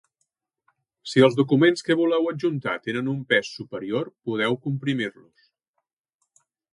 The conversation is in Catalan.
Si els documents que voleu adjuntar tenen un pes superior podeu comprimir-los.